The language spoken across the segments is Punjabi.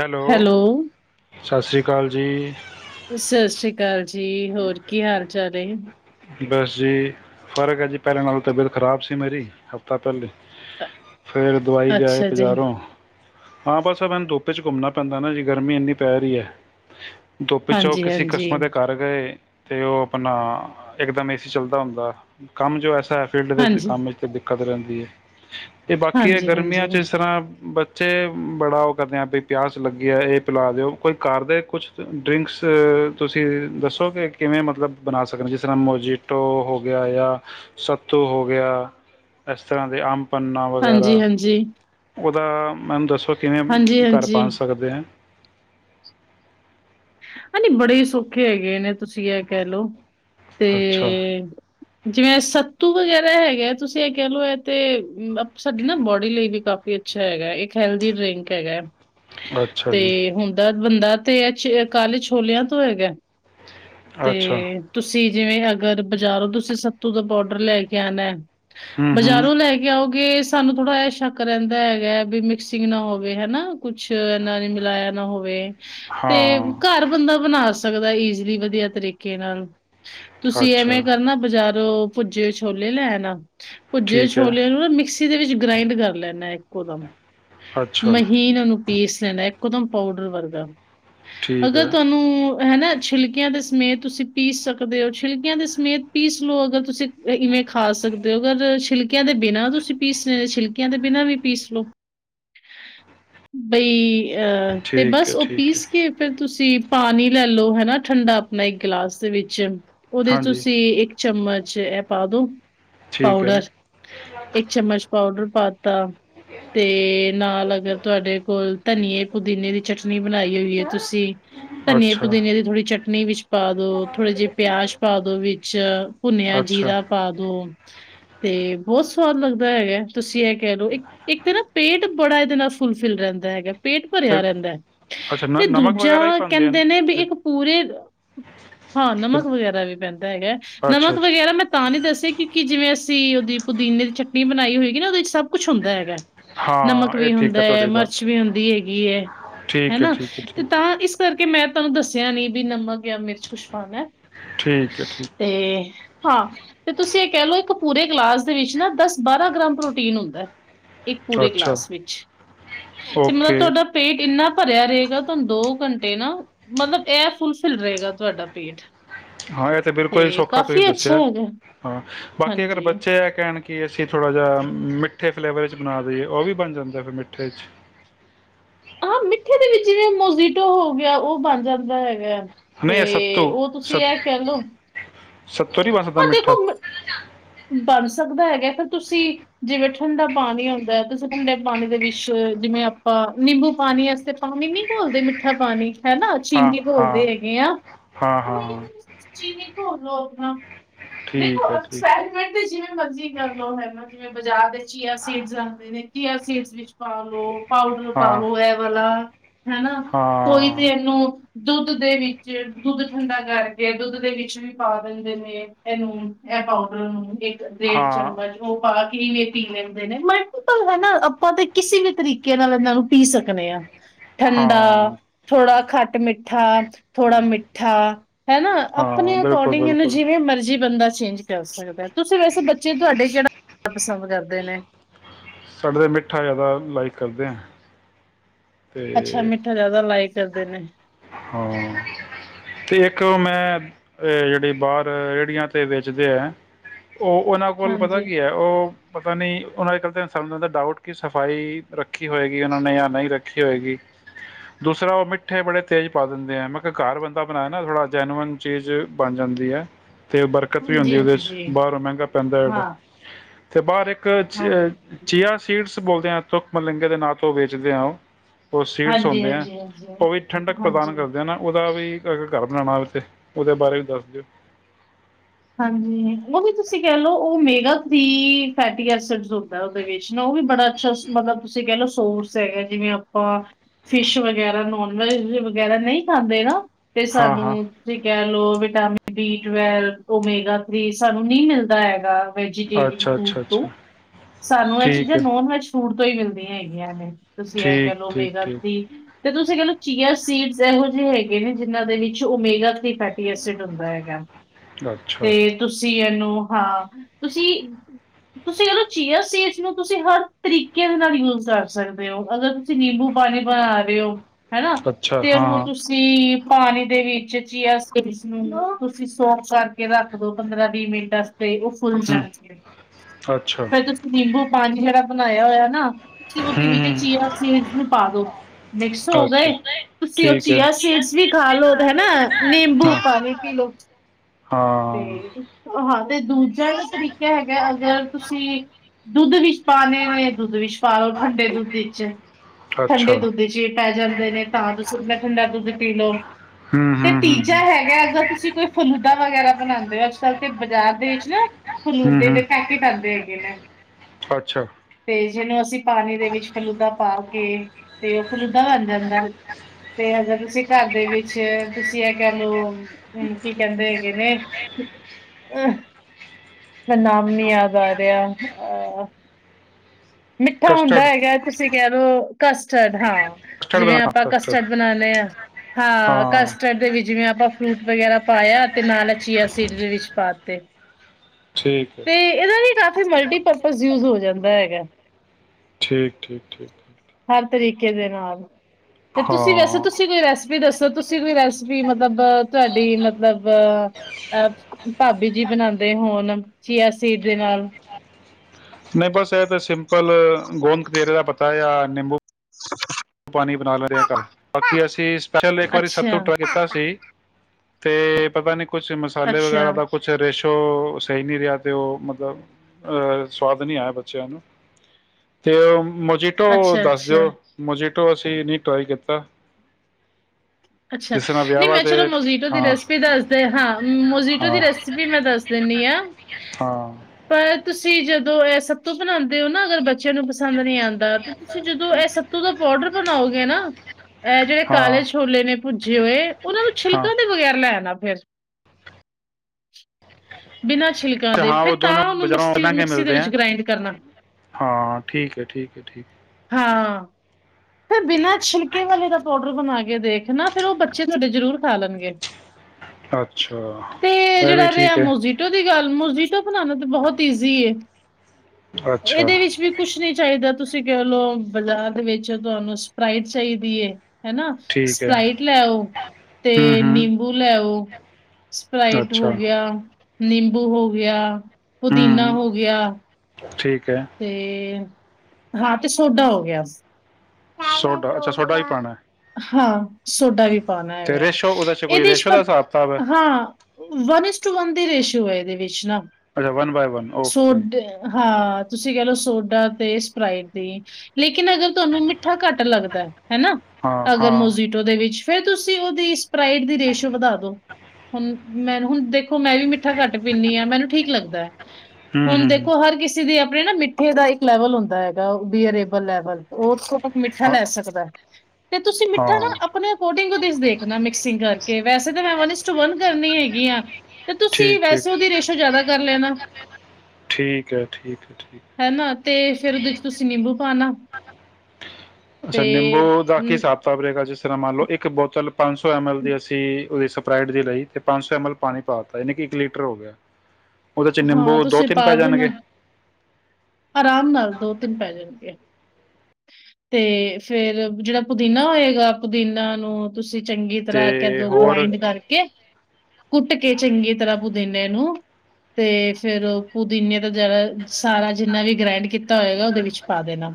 ਹੈਲੋ ਸਤਿ ਸ਼੍ਰੀ ਅਕਾਲ ਜੀ ਅਤੇ ਬਸ ਜੀ ਫ਼ਰਕ ਹੈ ਜੀ ਪਹਿਲਾ ਨਾਲੋਂ ਤਬੀਅਤ ਖ਼ਰਾਬ ਸੀ ਮੇਰੀ ਹਫ਼ਤਾ ਪਹਿਲੇ ਫਿਰ ਦਵਾਈ ਲਿਆਏ ਅੱਛਾ ਜੀ, ਬਜ਼ਾਰੋਂ ਹਾਂ ਬਸ ਮੈਨੂੰ ਧੁਪੱ ਘੁੰਮਣਾ ਪੈਂਦਾ ਨਾ ਜੀ ਗਰਮੀ ਇੰਨੀ ਪੈ ਰਹੀ ਹੈ ਧੁੱਪ ਚ ਉਹ ਹਾਂਜੀ-ਹਾਂਜੀ, ਕਿਸੇ ਕਿਸਮ ਦੇ ਹਾਂਜੀ, ਕਾਰਨ ਤੇ ਉਹ ਆਪਣਾ ਇਕ ਦਮ ਇਸੇ ਚੱਲਦਾ ਹੁੰਦਾ ਕੰਮ ਜੋ ਫੀਲਡ ਦੇ ਹਾਂਜੀ-ਹਾਂਜੀ। ਕੰਮ ਚੋ ਕਦ ਰਹਿੰਦੀ ਹੈ ਅਤੇ ਬਾਕੀ ਹੈ ਗਰਮੀਆਂ ਹਾਂਜੀ-ਹਾਂਜੀ, 'ਚ ਇਸ ਤਰ੍ਹਾਂ ਬੱਚੇ ਬੱਚੇ ਬੜਾ ਉਹ ਕਰਦੇ ਆ ਵੀ ਪਿਆਸ ਲੱਗੀ ਆ ਇਹ ਪਿਲਾ ਦਿਓ ਕੋਈ ਘਰ ਦੇ ਕੁਛ ਡਰਿੰਕਸ ਤੁਸੀਂ ਦੱਸੋ ਕਿ ਕਿਵੇਂ ਮਤਲਬ ਬਣਾ ਸਕਦੇ ਜਿਸ ਤਰ੍ਹਾਂ ਮੋਜੀਟੋ ਹੋ ਗਿਆ ਜਾਂ ਸੱਤੂ ਹੋ ਗਿਆ ਇਸ ਤਰ੍ਹਾਂ ਦੇ ਆਮ ਹਾਂਜੀ ਹਾਂਜੀ ਤਾਂ ਮੈਨੂੰ ਦੱਸੋ ਕਿਵੇਂ ਘਰ ਹਾਂਜੀ ਬਣਿਆ ਹਾਂਜੀ ਸਕਦੇ ਹੈ ਨਹੀਂ ਬੜੇ ਸੌਖੇ ਹੈਗੇ ਨੇ ਤੁਸੀਂ ਇਹ ਕਹਿ ਲਓ ਤੇ ਅੱਛਾ ਜਿਵੇਂ ਸੱਤੂ ਵਗੈਰਾ ਹੈਗਾ ਹੈ ਤੁਸੀਂ ਇਹ ਕਹਿ ਲਓ ਇਹ ਤੇ ਸਾਡੇ ਨਾ ਬੋਡੀ ਲਈ ਵੀ ਕਾਫੀ ਅੱਛਾ ਹੈਗਾ ਇੱਕ ਹੈਲਦੀ ਡਰਿੰਕ ਹੈਗਾ ਹੈ ਅੱਛਾ ਤੇ ਜੀ ਹੁੰਦਾ ਹੁੰਦਾ ਤੇ ਅੱਛਾ ਕਾਲੇ ਛੋਲਿਆਂ ਤੋਂ ਹੈਗਾ ਤੇ ਅੱਛਾ ਤੁਸੀਂ ਤੁਸੀਂ ਜਿਵੇਂ ਅਗਰ ਬਾਜ਼ਾਰੋ ਤੁਸੀਂ ਸੱਤੂ ਦਾ ਪੋਡਰ ਲੈ ਕੇ ਆਉਣਾ ਹੂੰ ਹੂੰ ਬਜ਼ਾਰੋਂ ਲੈ ਕੇ ਆਓ ਕਿ ਸਾਨੂੰ ਥੋੜਾ ਇਹ ਸ਼ੱਕ ਰਹਿੰਦਾ ਹੈਗਾ ਵੀ ਮਿਕਸਿੰਗ ਨਾ ਹੋਵੇ ਹੈ, ਨਾ ਕੁਛ ਇਹਨਾ ਨੇ ਮਿਲਾਇਆ ਨਾ ਹੋਵੇ। ਹਾਂ। ਹਰ ਬੰਦਾ ਬਣਾ ਸਕਦਾ ਈਜ਼ਲੀ ਵਧੀਆ ਤਰੀਕੇ ਨਾਲ ਤੁਸੀਂ ਅੱਛਾ ਐਵੇਂ ਕਰਨਾ ਬਾਜ਼ਾਰ ਉਹ ਭੁੱਜੇ ਹੋਏ ਛੋਲੇ ਲੈ ਆਣਾ। ਭੁੱਜੇ ਹੋਏ ਠੀਕ ਹੈ ਛੋਲਿਆਂ ਨੂੰ ਨਾ ਮਿਕਸੀ ਦੇ ਵਿੱਚ ਗ੍ਰਾਇੰਡ ਕਰ ਲੈਣਾ ਏ। ਕੁਦਮ ਅੱਛਾ ਮਹੀਨ ਉਹਨੂੰ ਪੀਸ ਲੈਣਾ ਏ। ਕੁਦਮ ਪਾਊਡਰ ਵਰਗਾ। ਠੀਕ ਅਗਰ ਹੈ ਤੁਹਾਨੂੰ ਹੈ ਨਾ ਛਿਲਕੀਆਂ ਦੇ ਸਮੇਤ ਤੁਸੀਂ ਪੀਸ ਸਕਦੇ ਹੋ। ਛਿਲਕੀਆਂ ਦੇ ਸਮੇਤ ਪੀਸ ਲੋਓ ਅਗਰ ਤੁਸੀਂ ਤੇ ਇਵੇ ਖਾ ਸਕਦੇ ਹੋ, ਅਗਰ ਛਿ ਛਿਲਕਿਆਂ ਦੇ ਬਿਨਾਂ ਤੁਸੀਂ ਪੀਸਣੇ, ਛਿਲਕਿਆਂ ਦੇ ਬਿਨਾਂ ਵੀ ਪੀਸ ਲਓ। ਬਈ ਅਹ ਤੇ ਠੀਕ ਹੈ ਬਸ ਉਹ ਠੀਕ ਹੈ ਪੀਸ ਕੇ ਫੇਰ ਤੁਸੀਂ ਪਾਣੀ ਲੈ ਲਓ ਹੈਨਾ ਠੰਡਾ ਆਪਣਾ ਇੱਕ ਗਿਲਾਸ ਦੇ ਵਿੱਚ ਉਹਦੇ ਹਾਂਜੀ ਤੁਸੀਂ ਇੱਕ ਚਮਚ ਇਹ ਪਾ ਦੋ ਠੀਕ ਹੈ ਪਾਊਡਰ, ਇੱਕ ਚਮਚ ਪਾਊਡਰ ਪਾ ਤਾਂ ਤੇ ਨਾਲ ਅਗਰ ਤੁਹਾਡੇ ਕੋਲ ਧਨੀਏ ਪੁਦੀਨੇ ਦੀ ਚਟਨੀ ਬਣਾਈ ਹੋਈ ਏ। ਤੁਸੀਂ ਧਨੀਏ ਅੱਛਾ ਪੁਦੀਨੇ ਦੀ ਥੋੜ੍ਹੀ ਚਟਨੀ ਵਿੱਚ ਪਾ ਦੋ, ਥੋੜੇ ਜਿਹੇ ਪਿਆਜ ਪਾ ਦੋ ਵਿੱਚ ਭੁੰਨਿਆ ਅੱਛਾ ਜੀਰਾ ਪਾ ਦੋ। ਤੇ ਬਹੁਤ ਸਵਾਦ ਲੱਗਦਾ ਹੈਗਾ। ਤੁਸੀਂ ਇਹ ਕਹਿ ਲਓ ਇੱਕ ਨਾ ਪੇਟ ਬੜਾ ਇਹਦੇ ਨਾਲ ਫੁਲਫਿਲ ਰਹਿੰਦਾ ਹੈਗਾ। ਪੇਟ ਭਰਿਆ ਇਹ- ਰਹਿੰਦਾ ਏ। ਅੱਛਾ ਨ ਤੇ ਨਮਕ ਦੂਜਾ ਵਗੈਰਾ ਹੀ ਪਾਉਂਦੇ ਆ ਕਹਿੰਦੇ ਨੇ ਵੀ ਇੱਕ ਇਹ- ਪੂਰੇ ਹਾਂ ਨਮਕ ਵਗੈਰਾ ਵੀ ਪੈਂਦਾ ਹੈਗਾ। ਇਹ- ਅੱਛਾ ਨਮਕ ਅੱਛਾ ਵਗੈਰਾ ਮੈਂ ਤਾਂ ਨਹੀਂ ਦੱਸਿਆ ਕਿਉਂਕਿ ਜਿਵੇਂ ਅਸ ਸੀ ਉਹਦੀ ਪੁਦੀਨੇ ਦੀ ਚਟਨੀ ਬਣਾਈ ਹੋਏਗੀ ਨਾ ਉਹਦੇ ਚ ਸਭ ਕੁਛ ਹੁੰਦਾ ਹੈਗਾ। ਨਮਕ ਹਾਂ ਇਹ ਵੀ ਠੀਕ ਹੁੰਦਾ ਹੈ। ਤੁਹਾਡੀ ਗੱਲ ਮਿਰਚ ਵੀ ਹੁੰਦੀ ਹੈਗੀ ਹੈ। ਹੈ ਠੀਕ ਨਾ ਠੀਕ ਠੀਕ ਤਾਂ ਇਸ ਕਰਕੇ ਕਿ ਮੈਂ ਤੁਹਾਨੂੰ ਦੱਸਿਆ ਨੀ ਵੀ ਨਮਕ ਜਾਂ ਮਿਰਚ ਕੁਛ ਪਾਣਾ। ਠੀਕ ਹੈ ਠੀਕ। ਤੇ ਹਾਂ ਤੇ ਤੁਸੀਂ ਇਹ ਕਹਿ ਲਓ ਇੱਕ ਪੂਰੇ ਗਲਾਸ ਦੇ ਵਿੱਚ ਨਾ ਦੱਸ-ਬਾਰਾਂ ਗ੍ਰਾਮ ਪ੍ਰੋਟੀਨ ਹੁੰਦਾ ਏ। ਇੱਕ ਪੂਰੇ ਅੱਛਾ ਗਲਾਸ ਵਿੱਚ ਤੇ ਮਤਲਬ ਓਕੇ ਤੁਹਾਡਾ ਪੇਟ ਇੰਨਾ ਭਰਿਆ ਰਹੇਗਾ। ਤੁਹਾਨੂੰ ਦੋ ਘੰਟੇ ਨਾ ਮਤਲਬ ਇਹ ਫੁਲ ਫਿਲ ਰਹੇਗਾ ਤੁਹਾਡਾ ਪੇਟ ਹਾਂ ਇਹ ਤੇ ਬਿਲਕੁਲ ਹੀ ਸੌਖਾ ਤੁਸੀਂ ਕਾਫ਼ੀ ਅੱਛਾ ਦੱਸਿਆਂ, ਹੈਗਾ ਬਾਕੀ ਅਗਰ ਹਾਂਜੀ ਬੱਚੇ ਆ ਕਹਿਣ ਕਿ, ਅਸੀਂ ਥੋੜ੍ਹਾ ਜਿਹਾ ਮਿੱਠੇ ਫਲੇਵਰ ਚ ਬਣਾ ਦੇਈਏ, ਉਹ ਵੀ ਬਣ ਜਾਂਦਾ ਫਿਰ ਮਿੱਠੇ 'ਚ। ਇਦੇ ਵਿੱਚ ਜਿਵੇਂ ਮੋਜੀਟੋ ਹੋ ਗਿਆ, ਉਹ ਬਣ ਜਾਂਦਾ ਹੈਗਾ। ਨਹੀਂ ਇਹ ਸੱਤੂ ਤੇ ਉਹ ਤੁਸੀਂ ਇਹ ਕਹਿ ਲੋ ਸਾਤੋਂ ਨਹੀਂ ਬਣ ਦਾ ਮਿੱਠਾ। ਬਣ ਸਕਦਾ ਹੈਗੈ, ਪਰ ਤੁਸੀਂ ਜਿਵੇਂ ਠੰਡਾ ਪਾਣੀ ਹੁੰਂਦੈ, ਤੁਸੀਂ ਠੰਡੇ ਪਾਣੀ ਦੇ ਵਿੱਚ ਜਿਵੇਂ ਆਪਾਂ, ਨਿੰਬੂ ਪਾਣੀ ਆਸਤੇ ਪਾਣੀ ਨਹੀਂ ਘੋਲਦੇ ਮਿੱਠਾ ਪਾਣੀ ਹੈਨਾ ਹਾਂ ਚੀਨੀ ਹਾਂ ਘੋਲਦੇ ਹੈਗੇ ਆਂ। ਹਾਂ ਹਾਂ ਚੀਨੀ ਘੋਲ ਲੋ ਅਪਨਾ ਠੀਕ ਹੈ ਠੀਕ। ਪੈਲਮਿੰਟ ਤੇ ਜਿਵੇਂ ਮਰਜ਼ੀ ਕਰ ਲਓ ਹੈ ਨਾ। ਜਿਵੇਂ ਬਾਜ਼ਾਰ ਦੇ ਚੀਆ ਸੀਡਸ ਆਂਦੇ ਨੇ, ਚੀਆ ਸੀਡਸ ਵਿੱਚ ਪਾ ਲੋ। ਪਾਊਡਰ ਹਾਂ ਪਾਲੋ ਇਹ ਵਾਲਾ। ਹੈਨਾ ਕੋਈ ਵੀ ਹਾਂ ਇਹਨੂੰ ਦੁੱਧ ਦੇ ਵਿੱਚ, ਦੁੱਧ ਠੰਡਾ ਕਰਕੇ ਦੁੱਧ ਦੇ ਵਿੱਚ ਵੀ ਪਾ ਦਿੰਦੇ ਨੇ, ਇਹਨੂੰ ਇਹ ਪਾਓ। ਹਾਂ, ਏਕ ਡੇਢ ਹਾਂ ਚਮਚ ਉਹ ਪਾ ਕੇ। ਪੀ ਲੇਤੀ ਹੈ ਮੈਨੇ, ਮਲਟੀਪਲ ਹੈਨਾ ਆਪਾਂ ਤੇ ਕਿਸੇ ਵੀ ਤਰੀਕੇ ਨਾਲ ਇਹਨਾਂ ਨੂੰ ਪੀ ਸਕਨੇ ਹਾਂ। ਠੰਡਾ ਹਾਂ ਥੋੜਾ ਖੱਟ-ਮਿੱਠਾ। ਥੋੜਾ ਮਿੱਠਾ, ਹੈਨਾ ਹਾਂ ਆਪਣੇ ਬਿਲਕੁਲ ਅਕੋਰਡਿੰਗ ਇਹਨੂੰ ਬਿਲਕੁਲ ਜਿਵੇਂ ਮਰਜ਼ੀ ਬੰਦਾ ਛ ਜ [unintelligible] ਕਰ ਸਕਦਾ, ਤੁਸੀਂ ਵੈਸੇ ਬੱਚੇ ਤੁਹਾਡੇ ਕਿਹੜਾ ਪਸੰਦ ਕਰਦੇ ਨੇ। ਸਾਡੇ ਤਾਂ ਮਿੱਠਾ ਜ਼ਿਆਦਾ ਲਾਈਕ ਕਰਦੇ ਐ। ਅੱਛਾ ਮਿੱਠਾ ਜਿਆਦਾ ਲਾਇਕ ਕਰਦੇ ਨੇ। ਹਾਂ, ਤੇ ਇੱਕ ਮੈਂ ਐ ਜਿਹੜੀ ਬਾਹਰ ਰੇਹੜੀਆਂ ਤੇ ਵੇਚਦੇ ਐ। ਉਹ ਉਹਨਾਂ ਕੋਲ ਪਤਾ ਹਾਂਜੀ ਕੀ ਹੈ, ਉਹ ਪਤਾ ਨੀ ਉਹਨਾਂ ਕਰਦੇ ਹੈ। ਸਾਨੂੰ ਰਹਿੰਦਾ ਡਾਊਟ, ਕਿ ਸਫ਼ਾਈ ਰੱਖੀ ਹੋਏਗੀ ਉਹਨਾਂ ਨੇ ਜਾਂ ਨਹੀਂ ਰੱਖੀ ਹੋਏਗੀ, ਦੂਸਰਾ ਉਹ ਮਿੱਠੇ ਬੜੇ ਤੇਜ਼ ਪਾ ਦਿੰਦੇ ਏ ਮੈਂ ਕਿਹਾ ਘਰ ਬੰਦਾ ਬਨਾਏ ਨਾ ਥੋੜਾ ਜੈਨੁਅਨ ਚੀਜ਼ ਬਣ ਜਾਂਦੀ ਐ। ਤੇ ਬਰਕਤ ਵੀ ਜੀ ਹੁੰਦੀ ਏ ਉਹਦੇ ਚ, ਜੀ ਬਾਹਰੋਂ ਮਹਿੰਗਾ ਪੈਂਦਾ। ਹਾਂ ਤੇ ਬਾਹਰ ਇੱਕ ਤ ਹਾਂ ਚ ਚੀਆਂ ਸੀਡਸ। ਬੋਲਦੇ ਆ, ਤੁੱਖ ਮਲਿੰਗੇ ਦੇ ਨਾਂ ਤੋਂ ਵੇਚਦੇ ਆ ਉਹ। ਉਹ ਸੀਡਸ ਹਾਂਜੀ ਹੁੰਦੇ ਐ ਹਾਂਜੀ ਹਾਂਜੀ ਉਹ ਵੀ ਠੰਡਕ ਹਾਂਜੀ ਕਰਦੇ ਨਾ ਉਹ ਦਾ ਵੀ ਘਰ ਬਣਾਉਣਾਥ ਉਹਦੇ ਬਾਰੇ ਵੀ ਦੱਸ ਦਿਓ ਹਾਂਜੀ ਉਹ ਵੀ ਤੁਸੀਂ ਕਹਿ ਲਓ ਉਹ ਮੇਗਾ ਥਰੀ ਫੈਸਿ ਹੁੰਦਾ ਉਹਦੇ ਵਿੱਚ ਨਾ ਉਹ ਵੀ ਬੜਾ ਅੱਛਾ ਮਤਲਬ ਤੁਸੀਂ ਕਹਿ ਲਓ ਸੋਰਸ ਹੈਗਾ ਜਿਵੇਂ ਆਪਾਂ ਫਿਸ਼ ਵਗੈਰਾ ਨੋਨ ਵੈਜ ਵਗੈਰਾ ਨਹੀਂ ਖਾਂਦੇ ਨਾ ਤੇ ਹਾਂ ਹਾਂ ਸਾਨੂੰ ਤੁਸੀਂ ਕਹਿ vitamin B twelve omega three ਸਾਨੂੰ ਨਹੀਂ ਮਿਲਦਾ ਹੈਗਾ ਵੈਜੀਟੇਰੀਅਨ ਅੱਛਾ ਫੂਡ ਅੱਛਾ ਤੋਂ ਅੱਛਾ ਸਾਨੂੰ ਇਹ ਠੀਕ ਚੀਜ਼ਾਂ ਹੈ ਨੋਨ ਵੈਜ ਸੂਟ ਤੋਂ ਹੀ ਮਿਲਦੀਆਂ ਹੈਗੀਆਂਨ ਤੁਸੀਂ ਇਹ ਕਹਿ ਠੀਕ ਲਓ ਠੀਕ ਮੇਗਾ ਥ੍ਰਰੀ ਠੀਕ ਤੇ ਤੁਸੀਂ ਕਹਿ ਲਓ ਚੀਆ ਸੀਡ ਇਹੋ ਜਿਹੇ ਹੈਗੇ ਨੇ ਜਿਨਾਂ ਦੇ ਵਿੱਚ ਓਮੇਗਾਸਿਡ ਹੁੰਦਾ ਹੈਗਾ ਤੇ ਅੱਛਾ ਤੁਸੀਂ ਇਹਨੂੰ ਹਾਂ ਤੁਸੀਂ ਤੁਸੀਂਲੋ ਚੀ ਸੀਜ ਨੂੰ ਤੁ ਹਰ ਤਰੀਕੇ ਦੇ ਨਾਲ ਯੂਜ ਕਰ ਸਕਦੇ ਹੋ ਅਗਰ ਤੁਸੀਂ ਨਿੰਬੂ ਪਾਣੀ ਬਣਾ ਰਹੇ ਹੋ ਹਨਾ ਅੱਛਾ ਤੇ ਹਾਂ ਉਹਨੂੰ ਹਾਂ ਤੁਸੀਂ ਪਾਣੀ ਦੇ ਵਿੱਚ ਚੀਆ ਤੁਸੀਂ ਸੋਫ ਕਰ ਕੇ ਰੱਖ ਦੋ ਪੰਦਰਾਂ ਵੀਹ ਮਿੰਟ ਤੇ ਉਹ ਫੁੱਲ ਹੂੰ ਜਾਂਦੀ ਹੈ ਅੱਛਾ ਫਿਰ ਤੁਸੀਂ ਨਿੰਬੂ ਪਾਣੀ ਜਿਹੜਾ ਬਣਾਇਆ ਹੋਇਆ ਨਾ ਤੁਸੀਂ ਹੂੰ ਉਹਦੇ ਵਿੱਚ ਹੂੰ ਚੀਆ ਸੀਡਸ ਨੂੰ ਪਾਦੋ ਮਿਕਸ ਹੋ ਗਏ ਅੱਛਾ ਤੁਸੀਂ ਉਹ ਠੀਕ ਹੈ ਚੀਆ ਸੀਡਸ ਵੀ ਖਾ ਲਓ ਹਨਾ ਨਿੰਬੂ ਪਾਣੀ ਪੀ ਲਓ ਤੇ ਹਾਂ ਹਾਂ ਤੇ ਦੂਜ ਤਰੀਕਾ ਹੈਗਾ ਅਗਰ ਤੁਸੀਂ ਦੁੱਧ ਵਿੱਚ ਪਾਉਣੇ ਨੇ ਦੁੱਧ ਵਿੱਚ ਪਾ ਲਓ ਠੰਡੇ ਦੁੱਧ ਵਿੱਚ ਠੰਡੇ ਅੱਛਾ ਦੁੱਧ ਚ ਪੈ ਜਾਂਦਾ ੇ ਤਾ ਦ ਚਨਾੰਾ ਦੱਟੀੋ ਹੂੰ ਹੂੰ ਤੇ ਹੂੰ ਤੀਜਾ ਹੂੰ। ਹੈਗਾ ਅਗਰ ਤੁਸੀਂ ਕੋਈ ਫਲੂ ੁੱਾਂ ਵਗੈਰਾ ਬਣਾਉਂਦੇ ਹੋ ਅੱਜ ਕੱਲ੍ਹ ਤੇ ਬਾਜ਼ਾਰ ਦੇ ਵਿੱਚ ਨਾ ਹੂੰ ਫਲੂਦੇ ਹੂੰ ਦੇ ਪੈਕੇਟ ਆਉਂਦੇ ਹੈਗੇ ਨੇ ਅੱਛਾ ਤੇ ਜਿਹਨੂੰ ਅਸੀਂ ਪਾਣੀ ਦੇ ਵਿੱਚ ਫਲੂਦਾ ਪਾ ਕੇ ਤੇ ਉਹ ਫਲੂਦਾ ਬਣ ਜਾਂਦਾ ਤੇ ਅਗਰ ਤੁਸੀਂ ਘਰ ਦੇ ਵਿੱਚ ਤੁਸੀਂ ਇਹ ਕਹਿ ਲਓ ਹ ਕੀ ਕਹਿੰਦੇ ਹੈ ਅਹ ਫ ਨਾਮ ਨੀ ਯਾਦ ਅ ਮਿੱਠਾ ਹੁੰਦਾ ਕਸਟਰਡ ਹੈਗਾ ਤੁਸੀਂ ਕਹਿ ਲਓ ਕਸਟਰਡ ਹਾਂ ਕਸਟਰਡ ਜਿਵੇਂ ਬਣਾ ਆਪਾਂ ਕਸਟਰਡ ਬਣਾਉਦੇ ਹਾਂ ਹਾਂ ਕਸਟਰਡ ਦੇ ਵੀ ਜਿਵੇਂ ਆਪਾਂ ਫਰੂਟ ਵੇਗੇਰਾ ਪਾਇਆ ਤੇ ਨਾਲ ਚੀਆ ਸੀਡਜ ਇਹਦੇ ਵਿੱਚ ਪਾ ਤੇ। ਠੀਕ ਹੈ ਤੇ ਇਹਦਾ ਵੀ ਗਾ। ਮਲਟੀ। ਪਰ ਪਰ ਯੂਜ ਹੋ ਜਾਂਦਾ ਹੈਗਾ। [inaudible] ਠੀਕ ਠੀਕ ਠੀਕ। ਹਰ ਤਰੀਕੇ ਦੇ ਨਾਲ। ਤੇ ਤੁਸੀਂ ਵੈਸੇ ਹਾਂ ਤੁਸੀਂ ਕੋਈ ਰੈਸਪੀ ਦੱ। ਤੁਸੀਂ ਕੋਈ ਰੈਸਿਪੀ ਮਤਲਬ ਤੁਹਾਡੀ ਮਤਲਬ ਅ ਭਾਬੀ ਜੀ ਬਣਾਉਂਦੇ ਹੋ। ਚੀਆ ਸੀਡ ਦੇ ਨਾਲ। ਨਹੀਂ ਬਸ ਇਹ ਤਾਂ ਸਿੰਪਲ ਗੂੰਦ ਕਤੀਰੇ ਦਾ ਪਤਾ ਜਾ ਨਿੰਬੂ। ਪਾਣੀ ਬਣਾ ਲੈ ਰਿਹਾ ਕਰ, ਬਾਕੀ ਅਸੀਂ ਸਪੈਸ਼ਲ ਇੱਕ ਵਾਰੀ ਸੱਤੂ ਅੱਛਾ ਟਰਾਈ ਕੀਤਾ ਸੀ। ਤੇ ਪਾਪਾ ਨੇ। ਕੁਛ ਮਸਾਲੇ ਵਗੈਰਾ ਅੱਛਾ ਦਾ ਕੁਛ ਰੇਸ਼। ਤੋਂ ਸਹੀ ਨੀ ਰਿਹਾ ਤੇ ਉਹ ਮਤਲਬ ਅਹ ਸਵਾਦ ਨੀ ਆਇਆ ਬੱਚਿਆਂ ਨੂੰ ਤੇ ਜਿਟੋ ਅੱਛਾ ਦੱਸ ਅੱਛਾ ਦਿਓ। ਜਿਟੋ ਅਸੀਂ ਨਹੀਂ ਟਰਾਈ ਕੀਤਾ। ਅੱਛਾ, ਜਿਸ ਨਾਲ ਨਹੀਂ, ਵਿਆਹਾਂ ਮੈਂ ਤੇ ਚਲੋ ਮੋਜੀਟੋ ਦੀ ਹਾਂ ਰੈਸਪੀ ਦੱਸਦੇ। ਹਾਂ, ਮੋਜੀਟੋ ਹਾਂ ਦੀ ਰੈਸਿਪੀ ਮੈਂ ਦੱਸ ਦਿੰਦੀ ਹਾਂ, ਹਾਂ ਪਰ ਤੁਸੀਂ ਜਦੋਂ ਇਹ ਸੱਤੂ ਬਣਾਉਂਦੇ ਹੋ ਨਾ, ਅਗਰ ਬ ਬੱਚੇ ਨੂੰ ਪਸੰਦ ਨਹੀਂ ਆਉਂਦਾ ਤੇ ਤੁਸੀਂ ਜਦੋਂ ਇਹ ਸੱਤੂ ਦਾ ਪਾੋਡਰ ਬਣਾਓਗੇ ਨਾ, ਇਹ ਜਿਹੜੇ ਹਾਂ ਕਾਲੇ ਛੋਲੇ ਨੇ ਜੀ ਓਏ, ਉਹਨਾਂ ਨੂੰ ਹਾਂ ਛਿਲਕਾ ਦੇ ਬਗੈਰ ਲੈ। ਹੈ ਨਾ ਫਿਰ। ਬਿਨਾਂ ਛਿਲਕਾ ਅੱਛਾ ਦੇ ਹਾਂ ਉਹ ਫਿਰ ਦੋਨੋਂ ਤਾਂ ਬਾਜ਼ਾਰੋਂ ਮਿਕਸੀ ਮਹਿੰਗੇ ਮਿਕਸੀ ਦੇ ਮਿਲਦੇ ਹੈ ਵਿੱਚ ਗਰਾਇਡ ਕਰਨਾ। ਹਾਂ ਠੀਕ ਹੈ ਠੀਕ ਹੈ ਠੀਕ ਹਾਂ ਫਿਰ ਬਿਨਾਂ ਛਿਲਕੇ ਵਾਲੇ ਦਾ ਪਾਊਡਰ ਬਣਾ ਕੇ। ਕਿ ਦੇਖਣਾ ਫਿਰ ਉਹ ਬੱਚੇ ਤੁਹਾਡੇ ਜਰੂਰ ਖਾ ਲੈਣਗੇ। ਅੱਛਾ ਤੇ ਇਹ ਵੀ ਜਿਹੜਾ ਰਿਹਾ ਠੀਕ ਹੈ ਮੋਜੀਟੋ ਦੀ ਗੱਲ, ਮੋ ਮੋਜਿਟੋ ਬਣਾਉਣਾ ਤਾਂ ਬਹੁਤ ਈਜ਼ੀ ਏ। ਅੱਛਾ ਇਹਦੇ ਵਿੱਚ ਵੀ ਕੁਛ ਨੀਂ ਚਾਹੀਦਾ। ਤੁਸੀਂ ਕਹਿ ਲਓ ਬਾਜ਼ਾਰ ਦੇ ਵਿੱਚ। ਤੁਹਾਨੂੰ ਸਪ੍ਰਈਟ ਚਾਹੀਦੀ ਹੈ। ਹੈਨਾ, ਠੀਕ ਹੈ ਸਪ੍ਰਈਟ ਲੈ ਆਓ ਹੂੰ ਤੇ ਹੂੰ ਨਿੰਬੂ ਲੈ ਆਓ। ਸਪ੍ਰਈਟ ਅੱਛਾ ਹੋ ਗਿਆ। ਨਿੰਬੂ ਹੋ ਗਿਆ। ਪੁਦੀਨਾ ਹੂੰ ਹੋ ਗਿਆ। ਠੀਕ। ਹੈ ਤੇ ਹਾਂ ਤੇ ਸੋਡਾ ਹੋ ਗਿਆ ਸੈਲਡ ਸੋਡਾ ਅੱਛਾ ਹੋ ਸੋਡਾ ਹੀ ਗਿਆ ਪਾਉਣਾ ਹਾਂ ਸੋਡਾ ਵੀ ਪਾਉਣਾ ਹੈਗਾ ਉਹਦਾ ਚ ਇਹ ਕੋਈ ਰੇਸ਼ੋ ਦੇਸ਼ਪ ਦਾ ਹਿਸਾਬ ਕਿਤਾਬ ਹੈ ਹਾਂ one is to one ratio ਹੈ ਇਹਦੇ ਵਿੱਚ ਨਾ ਅੱਛਾ ਵਨ ਬਾਏ ਵਨ ਓਕੇ ਸੋਡ ਹਾਂ ਤੁਸੀਂ ਕਹਿ ਲਓ ਸੋਡਾ ਤੇ ਸਪ੍ਰਈਟ ਦੀ ਲੇਕਿਨ ਅਗਰ ਤੁਹਾਨੂੰ ਮਿੱ ੱਠਾ ਘੱਟ ਲੱਗਦਾ ਹਨਾ ਹਾਂ ਅਗਰ ਹਾਂ ਮੋਜੀਟੋ ਦੇ ਵਿੱਚ ਫੇਿਰ ਤੁਸੀਂ ਉਹਦੀ ਸਪਰਾਈਟ ਦੀ ਰੇਸ਼ਓ ਵਧਾ ਦੋ ਹੁਣ ਮੈ ਹੁਣ ਦੇਖੋ ਮੈਂ ਵੀ ਮਿੱਠਾ ਘੱਟ ਪੀਂਦੀ ਹਾਂ ਮੈਨੂੰ ਠੀਕ ਲੱਗਦਾ ਹੈ ਹੂੰ ਹੁਣ ਹੂੰ ਹੂੰ ਦੇਖੋ ਹਰ ਕਿਸੇ ਦੀ ਆਪ ਆਪਣੇ ਨਾ ਮਿੱਠੇ ਦਾ ਇੱਕ ਲੈਵਲ ਹੁੰਦਾ ਹੈਗਾ ਬੀਅਰੇਬਲ ਲੈਵਲ ਉਸ ਮਿੱਠਾ ਹਾਂ ਲੈ ਸਕਦਾ ਤੇ ਤੁਸੀਂ ਮਿੱਠਾ ਨਾ ਹਾਂ ਆਪਣੇ ਅਕੋਰਡਿੰਗ ਦੇਖਣਾ ਮਿਕਸਿੰਗ ਕਰਕੇ ਵੈਸੇ ਤਾਂ ਮੈਂ ਵਨ ਟੂ ਵਨ ਕਰਨੀ ਹੈਗੀ ਆ ਤੇ ਤੁਸੀਂ ਠੀਕ ਠੀਕ ਠੀਕ ਵੈਸੇ ਉਹਦੀ ਹੈ ਰੇਸ਼ੋ ਜ਼ਿਆਦਾ ਕਰ ਲੈਣਾ ਠੀਕ ਹੈ ਠੀਕ ਹੈ ਨਾ ਤੇ ਫੇਿਰ ਉਹਦੇ ਚ ਤੁਸੀਂ ਨਿੰਬੂ ਪਾਣਾ ਤੇ ਅੱਛਾ ਨਿੰਬੂ ਦਾ ਕੀ ਅਮ, ਹਿਸਾਬ ਕਿਤਾਬ ਰਹੇਗਾ ਜਿਸ ਮਾਂ ਲਓ ਇੱਕ ਬੋਤਲ ਪੰਜ ਸੌ ਐੱਮ ਐੱਲ ਦੀ ਅਸੀਂ ਉਹ ਸਪਰਾਈਟ ਦੇ ਲਈ ਤੇ ਪੰਜ ਸੌ ਐੱਮ ਐਲ ਪਾਣੀ ਪਾਤਾਾ ਯਾਨ ਕਿ ਇੱਕ ਲੀਟਰ ਹੋ ਗਿਆ ਉਹਦੇ ਚ ਹਾਂ ਨਿੰਬੂ ਦੋ ਤੁਸੀਂ ਤਿੰਨ ਪੈ ਪਾ ਦੇਣ ਜਾਣਗੇ ਆਰਾਮ ਨਾਲ ਦੋ ਤਿੰਨ ਪੈ ਜਾਣਗੇ ਆ ਤੇ ਫੇਰ ਜਿਹੜਾ ਪੁਦੀਨਾ ਹੋਏਗਾ ਪੁਦੀਨਾ ਨੂੰ ਤੁਸੀਂ ਚੰਗੀ ਤੇ ਤਰ੍ਹਾਂ ਕਹਿ ਦੋ ਹੋਰ ਗ੍ਰਾਈੰਡ ਕਰਕੇ ਕੁੱਟ ਕੇ ਚੰਗੀ ਤਰ੍ਹਾਂ ਪੁਦੀਨੇ ਨੂੰ ਤੇ ਫੇਿਰ ਪੁਦੀਨੇ ਦਾ ਜਿਆਦਾ ਸਾਰਾ ਜਿੰਨਾ ਵੀ ਗ੍ਰੈਂੰਡ ਕੀਤਾ ਹੋਏਗਾ ਉਹਦੇ ਵਿੱਚ ਪਾ ਦੇਣਾ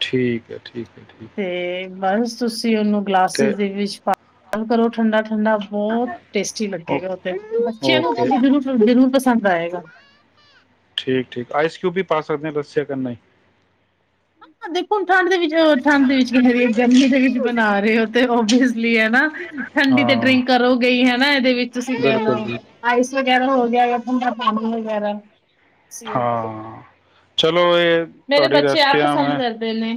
ਠੀਕ ਹੈ ਠੀਕ ਹੈ ਠੀਕ ਤੇ ਬਸ ਤੁਸੀਂ ਉਹਨੂੰ ਤੇ ਕਲਾਸਿਸ ਦੇ ਵਿੱਚ ਪਾ ਕੰਮ ਕਰੋ ਠੰਡਾ ਠੰਡਾ ਬਹੁਤ ਟੇਸਟੀ ਓ- ਲੱਗੇਗਾ ਉਥੇ ਬੱਚਿਆਂ ਓਕੇ ਨੂੰਰੂਰ ਜ਼ਰੂਰ ਪਸੰਦ ਆਏਗਾ ਠੀਕ ਠੀਕ ਆਈਸ ਕਿਊ ਵੀ ਪਾ ਸਕਦੇ ਹ ਦੱਸਿਆ ਕਰ ਹੀ ਹ ਦੇਖੋ ਹੁ ਠੰਡ ਦੇ ਵਿੱਚ ਠੰਡ ਦੇ ਵਿੱਚ ਗਰਮੀ ਦੇ ਵਿੱਚ ਬਣਾ ਰਹੇ ਹੋ ਤੇ ਓਵੀਅਸਲੀ ਹਨਾ ਠੰਡੀ ਤੇ ਹਾਂ ਡਰਿੰਕ ਕਰੋ ਗਈ ਹੈ ਇਹਦੇ ਵਿੱਚ ਤੁਸੀਂ ਕਹਿਲ ਬਿਲਕੁਲ ਜੀ ਆਈ ਤੁਸੀਂ ਉਹ ਪਾ ਲਓ ਹਾਂ, ਚਲੋ ਇਹ ਮੇਰੇ ਤੁਹਾਡੀ ਬੱਚੇ ਆਪ ਰੈਸਪੀਆਂ ਪਸੰਦ ਹਾਂ, ਕਰਦੇ ਨੇ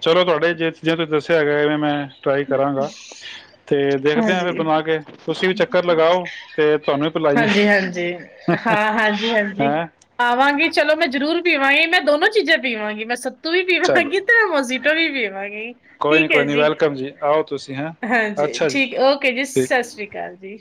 ਚਲੋ ਤੁਹਾਡੇ ਜੇ ਜੇ ਤੁਸੀ [inaudible] ਟਰਾਈ ਕਰਾਂਗਾ ਤੇ ਦੇਖਦੇ ਹਾਂ ਫਿਰ ਹਾਂਜੀ ਬਣਾ ਕੇ ਤੁਸੀ ਵੀ ਚੱਕਰ ਲਗਾਓ ਤੇ ਤੁਹਾਨੂੰ ਵੀ ਪਿਲਾਈਏ ਹਾਂਜੀ ਹਾਂਜੀ ਹਾਂ ਹਾਂਜੀ ਹਾਂਜੀ ਹੈਂ ਆਵਾਂਗੀ ਚਲੋ ਮੈਂ ਜਰੂਰ ਪੀਵਾਂਗੀ ਮੈਂ ਦੋਨੋ ਚੀਜਾ ਪੀਵਾਂ ਗੀ ਮੈ ਚਲੋ [unintelligible] [unintelligible] ਕੋਈ ਨਹੀਂ ਠੀਕ ਹੈ ਕੋਈ ਨਹੀਂ ਜੀ ਵੈਲਕਮ ਜੀ ਆਓ ਤੁਸੀਂ ਹੈਂ ਹਾਂਜੀ, ਅੱਛਾ ਜੀ ਠੀਕ ਓਕੇ ਜੀ ਠੀਕ ਸਤਿ ਸ੍ਰੀ ਅਕਾਲ ਜੀ।